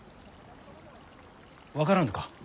分からぬか？